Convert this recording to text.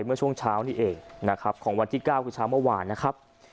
เมื่อช่วงเช้านี้เองนะครับของวันที่๙คือเช้าเมื่อวานนะครับ